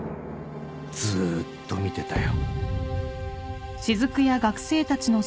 ずっと見てたよ。